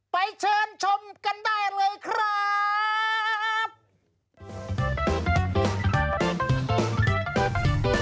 เชิญชมกันได้เลยครับ